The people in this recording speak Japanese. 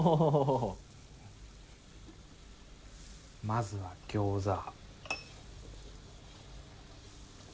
まずは餃子。